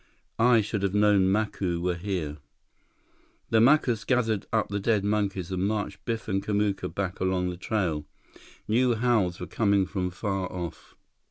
I should have known Macu were here." The Macus gathered up the dead monkeys and marched Biff and Kamuka back along the trail. New howls were coming from far off.